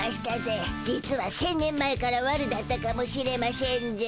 実は１，０００年前からわるだったかもしれましぇんぜ。